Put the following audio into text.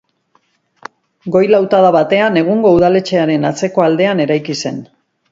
Goi lautada batean, egungo udaletxearen atzeko aldean, eraiki zen.